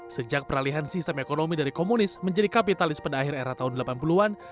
sejak peralihan sistem ekonomi dari komunis menjadi kapitalis pada akhir era tahun delapan puluh an